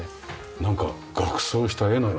なんか額装した絵のような。